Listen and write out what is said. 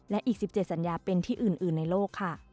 และอีก๑๗สัญญาเป็นที่อื่นในโลกค่ะ